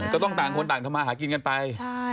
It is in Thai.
ก็ต้องต่างคนต่างทำมาหากินกันไป